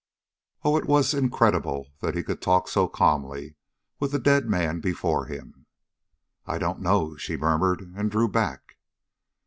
Oh, it was incredible that he could talk so calmly with the dead man before him. "I don't know," she murmured and drew back.